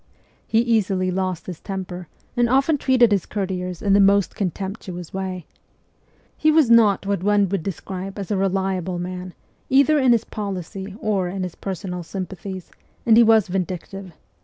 He easily lost his temper, and often treated his courtiers in the most contemptuous way. He was not what one would describe as a reliable man, either in his policy or in his personal sympathies, and he was vindictive.